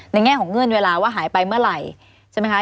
ในแง่ของเงื่อนเวลาว่าหายไปเมื่อไหร่